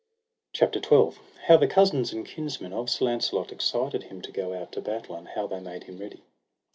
CHAPTER XII. How the cousins and kinsmen of Sir Launcelot excited him to go out to battle, and how they made them ready.